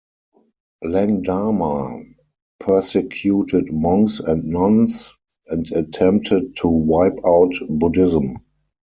Langdarma persecuted monks and nuns, and attempted to wipe out Buddhism.